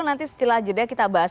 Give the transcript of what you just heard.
nanti setelah jeda kita bahas